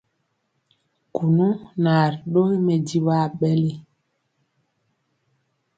Kunu naa ri dɔgi mɛdivɔ aɓɛli.